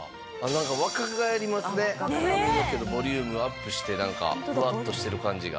なんか若返りますね髪の毛のボリュームアップしてなんかフワッとしてる感じが。